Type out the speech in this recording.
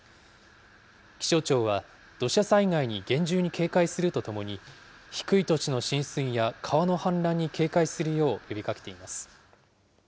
気象庁は、土砂災害に厳重に警戒するとともに、低い土地の浸水や川の氾濫に警戒するよう呼びかけています。